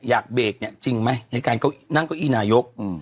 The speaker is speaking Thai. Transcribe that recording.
อยากเบกเนี้ยจริงไหมในการเขานั่งเก้าอี้นายกอืม